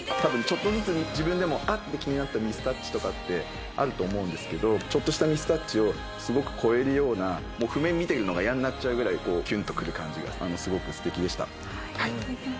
ちょっとずつ自分でも「あっ！」って気になったミスタッチとかってあると思うんですけどちょっとしたミスタッチをすごくこえるような譜面見ているのが嫌になっちゃうぐらいキュンとくる感じがすごくすてきでした。